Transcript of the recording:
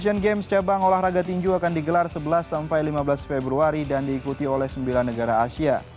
asian games cabang olahraga tinju akan digelar sebelas lima belas februari dan diikuti oleh sembilan negara asia